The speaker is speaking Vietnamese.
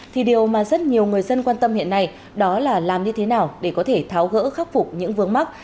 thì điều mà rất nhiều người dân quan tâm hiện nay đó là làm như thế nào để có thể tháo gỡ khắc phục những vướng mắt